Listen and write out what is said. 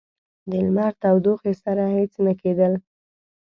د لمر تودوخې سره هیڅ نه کېدل.